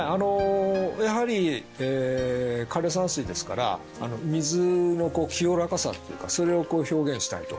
やはり枯山水ですから水の清らかさっていうかそれを表現したいと。